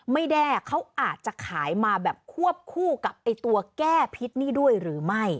ไม่แน่เขาอาจจะขายมาแบบควบคู่กับตัวแก้พิษนี่ด้วยหรือไม่